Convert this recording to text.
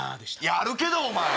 あるけどお前！